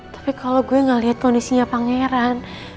tapi kalo gue gak liat kondisinya pangeran